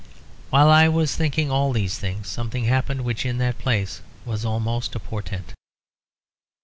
While I was thinking all these things, something happened which in that place was almost a portent.